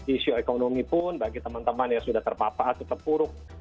isu ekonomi pun bagi teman teman yang sudah terpapar atau terpuruk